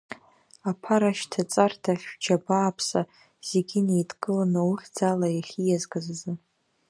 Аԥарашьҭаҵарҭахь, шәџьабааԥса зегьы неидкыланы ухьӡала иахьиазгаз азы.